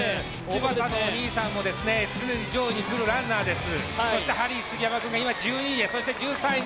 おばたのお兄さんも常に上位に来るランナーです。